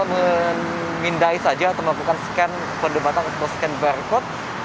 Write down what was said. maka pengunjung bisa mengindai saja atau melakukan scan kode batang atau scan barcode